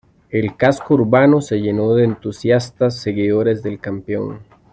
El casco urbano se llenó de entusiastas seguidores del campeón.